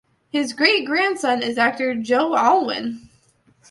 His great-grandson is actor Joe Alwyn.